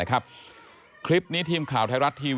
ไอ้แม่ได้เอาแม่ได้เอาแม่